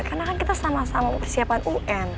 karena kan kita sama sama persiapan un